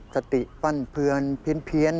สติฝั่นเพลือนเพี้ยน